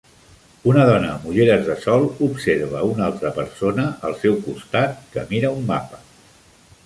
Una dona amb ulleres de sol observa una altra persona al seu costat que mira un mapa